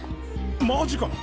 マジか！？